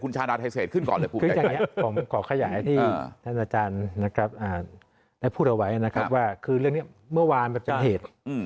ขอขยายที่ท่านอาจารย์ได้พูดเอาไว้นะครับว่าคือเรื่องนี้เมื่อวานมันเป็นเหตุ